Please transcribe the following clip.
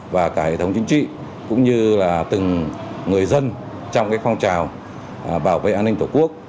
và cả hệ thống chính trị cũng như là từng người dân trong phong trào bảo vệ an ninh tổ quốc